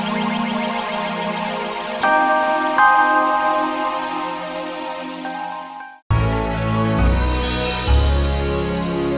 terima kasih banyak